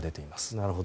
なるほど。